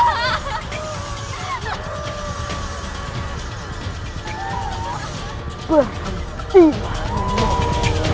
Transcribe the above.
kau akan mengembaliku